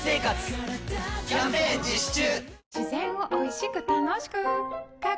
キャンペーン実施中！